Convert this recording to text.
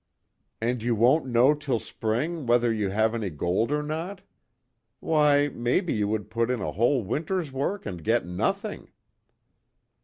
"And you won't know till spring whether you have any gold or not? Why, maybe you would put in a whole winter's work and get nothing!"